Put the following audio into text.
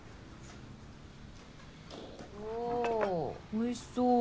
おおおいしそう。